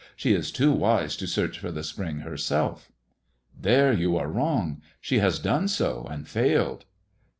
She is too wise to search for the spring herself." " There you are wrong. She has done so and failed."